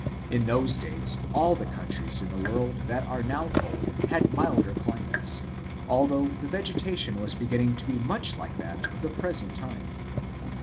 In those days all the countries in the world that are now cold had milder climates, although the vegetation was beginning to be much like that of the present time.